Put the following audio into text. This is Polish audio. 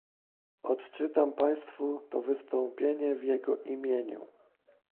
Odczytam Państwu to wystąpienie w jego imieniu